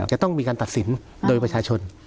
จะต้องมีการตัดสินโดยประชาชน